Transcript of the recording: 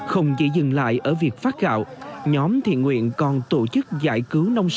không chỉ dừng lại ở việc phát gạo nhóm thiện nguyện còn tổ chức giải cứu nông sản